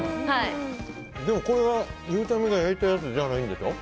でもこれは、ゆうちゃみが焼いたやつじゃないんでしょ。